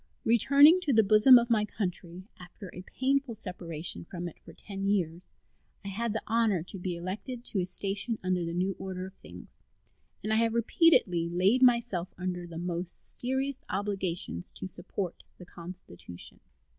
Returning to the bosom of my country after a painful separation from it for ten years, I had the honor to be elected to a station under the new order of things, and I have repeatedly laid myself under the most serious obligations to support the Constitution.